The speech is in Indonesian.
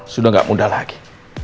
sudah gak muda lagi